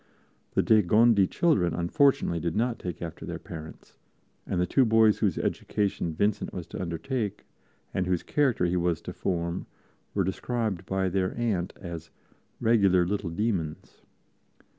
The de Gondi children, unfortunately, did not take after their parents, and the two boys whose education Vincent was to undertake and whose character he was to form were described by their aunt as "regular little demons."